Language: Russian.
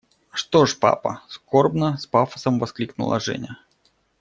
– Что ж, папа! – скорбно, с пафосом воскликнула Женя.